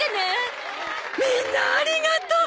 みんなありがとう！